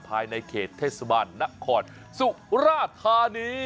ภายในเขตเทศบาลนครสุราธานี